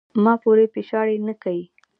پۀ ما پورې پیشاړې نۀ کے ،